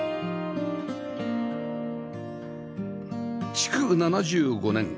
築７５年